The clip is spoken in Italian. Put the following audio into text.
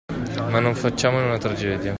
Ma non facciamone una tragedia.